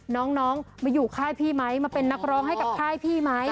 น้องมาอยู่ค่ายพี่ไหมมาเป็นนักร้องให้กับค่ายพี่ไหม